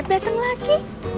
kak ateb dateng lagi